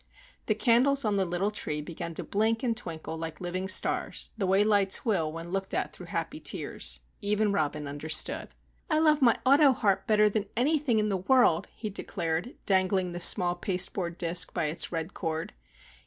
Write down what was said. The candles on the little tree began to blink and twinkle like living stars, the way lights will when looked at through happy tears. Even Robin understood. "I love my autoharp better than anything in the world," he declared, dangling the small pasteboard disc by its red cord.